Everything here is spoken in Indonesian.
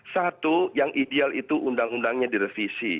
satu yang ideal itu undang undangnya direvisi